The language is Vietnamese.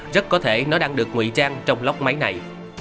rất có thể nó đang được nguy trang trong lóc máy này